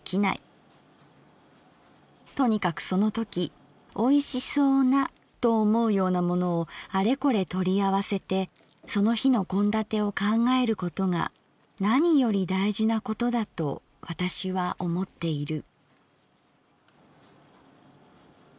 とにかくそのとき美味しそうなと思うようなものをあれこれ取り合わせてその日の献立を考えることがなにより大事なことだと私は思っている」。